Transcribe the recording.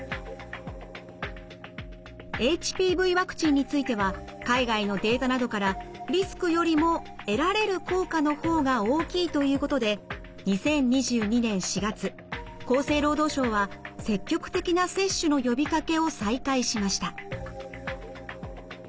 ＨＰＶワクチンについては海外のデータなどからリスクよりも得られる効果の方が大きいということで２０２２年４月厚生労働省は積極的な接種の呼びかけを再開しました。